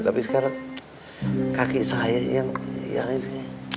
tapi sekarang kaki saya yang ini